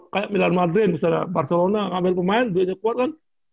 kayak milan madrid misalnya barcelona ngambil pemain duitnya kuat kan